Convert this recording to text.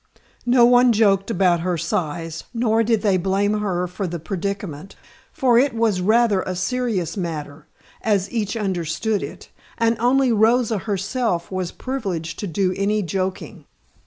No one joked about her size, nor did they blame her for the predicament, for it was rather a serious matter, as each understood it, and only Rosa herself was privileged to do any joking.